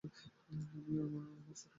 আমি, মা আর আমার ছোট বোন।